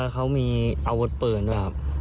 เขามีอาวุธปืนด้วยครับ